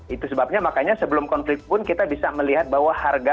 itu sebabnya makanya sebelum konflik pun kita bisa melihat bahwa harga